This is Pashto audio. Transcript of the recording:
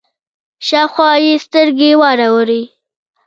شاوخوا يې سترګې واړولې.